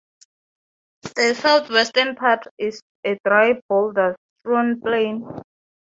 The south-western part is a dry, boulder-strewn plain.